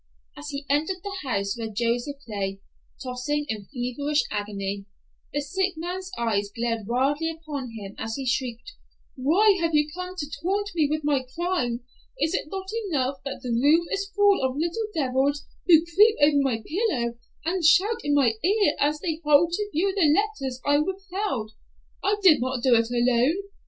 As he entered the house where Joseph lay, tossing in feverish agony, the sick man's eyes glared wildly upon him as he shrieked, "Why have you come to taunt me with my crime? Is it not enough that the room is full of little devils who creep over my pillow, and shout in my ear as they hold to view the letters I withheld? I did not do it alone.